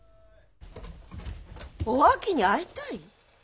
お秋に会いたい？